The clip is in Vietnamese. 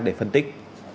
để phân tích